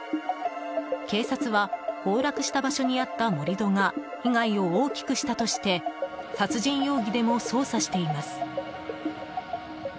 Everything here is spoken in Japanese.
警察は崩落した場所にあった盛り土が被害を大きくしたとして殺人容疑でも捜査しています。